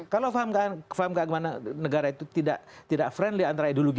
kalau faham keagamaan negara itu tidak friendly antara ideologi